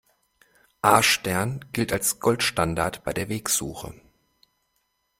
A-Stern gilt als Goldstandard bei der Wegsuche.